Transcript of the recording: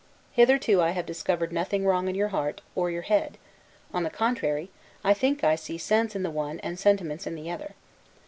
Hitherto I have discovered nothing wrong in your heart, or your head: on the contrary I think I see sense in the one, and sentiments in the other.